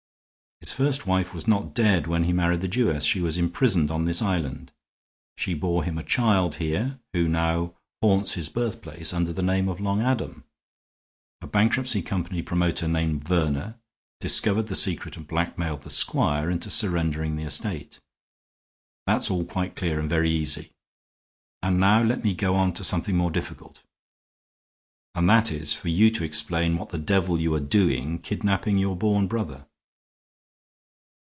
His first wife was not dead when he married the Jewess; she was imprisoned on this island. She bore him a child here, who now haunts his birthplace under the name of Long Adam. A bankruptcy company promoter named Werner discovered the secret and blackmailed the squire into surrendering the estate. That's all quite clear and very easy. And now let me go on to something more difficult. And that is for you to explain what the devil you are doing kidnaping your born brother."